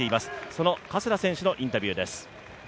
その加世田選手のインタビューです。